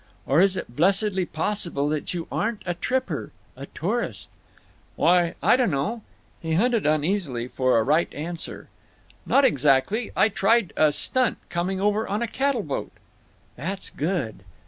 Or is it blessedly possible that you aren't a tripper—a tourist?" "Why, I dunno." He hunted uneasily for the right answer. "Not exactly. I tried a stunt—coming over on a cattle boat." "That's good.